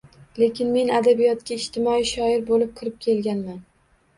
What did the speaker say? Lekin men adabiyotga ijtimoiy shoir bo‘lib kirib kelganman.